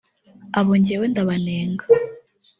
“Abo njyewe ndabanenga